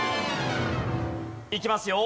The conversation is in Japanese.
いきますよ。